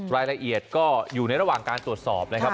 รายละเอียดก็อยู่ในระหว่างการตรวจสอบนะครับ